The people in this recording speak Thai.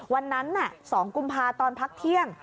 วันนั้น๒กุมภาตอนพักเที่ยง